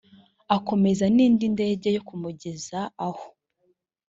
akomeze n indi ndege yo kumugeza aho